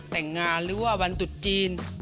แต่งงานหรือว่าวันตุดจีน